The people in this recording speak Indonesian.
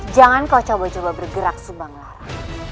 jangan kau coba coba bergerak subang larang